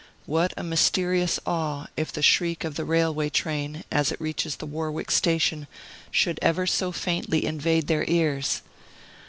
What a mysterious awe, if the shriek of the railway train, as it reaches the Warwick station, should ever so faintly invade their ears!